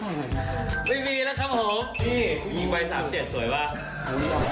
ผมไม่มีแล้วครับนี่ยีนไว๓๗สวยปะ